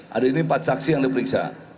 hari ini empat saksi yang diperiksa